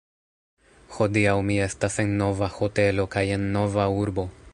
Hodiaŭ mi estas en nova hotelo kaj en nova urbo.